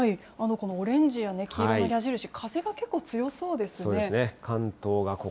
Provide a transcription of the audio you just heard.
このオレンジや黄色の矢印、風がちょっと強そうですね。